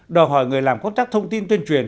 đòi hỏi người làm công tác thông tin tuyên truyền